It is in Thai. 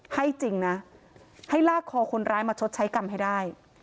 ให้จริงนะให้ลากคอคนร้ายมาชดใช้กรรมให้ได้